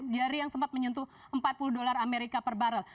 dari yang sempat menyentuh empat puluh dolar amerika per barrel